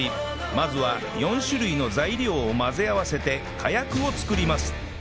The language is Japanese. まずは４種類の材料を混ぜ合わせて火薬を作ります